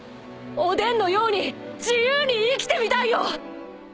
おでんのように自由に生きてみたいよ！